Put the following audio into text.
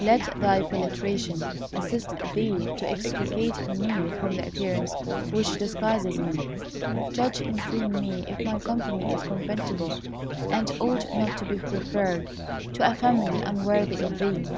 Let thy penetration assist thee to extricate me from the appearance which disguises me. Judge in seeing me if my company is contemptible, and ought not to be preferred to a family unworthy of thee.